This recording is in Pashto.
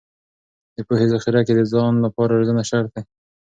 د پوهې ذخیره کې د ځان لپاره روزنه شرط دی.